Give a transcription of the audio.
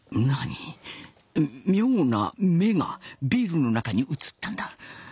何妙な眼がビールの中に映ったんだ。